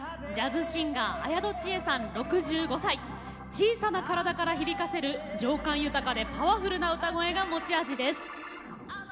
小さな体から響かせる情感豊かでパワフルな歌声が持ち味です。